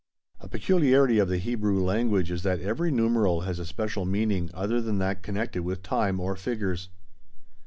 A peculiarity of the Hebrew language is that every numeral has a special meaning other than that connected with time or figures.